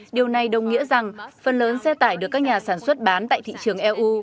điều này đồng nghĩa rằng phần lớn xe tải được các nhà sản xuất bán tại thị trường eu